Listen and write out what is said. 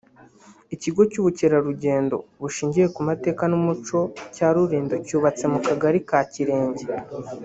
Ikigo cy’Ubukerarugendo bushingiye ku mateka n’umuco cya Rulindo cyubatse mu kagari ka Kirenge